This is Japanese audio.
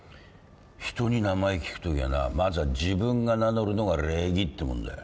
人に名前聞くときはなまずは自分が名乗るのが礼儀ってもんだよ。